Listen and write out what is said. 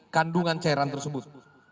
kandungan cairan tersebut